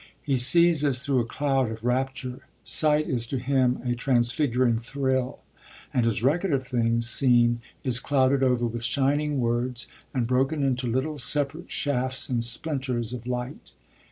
He sees as through a cloud of rapture. Sight is to him a transfiguring thrill, and his record of things seen is clouded over with shining words and broken into little separate shafts and splinters of light.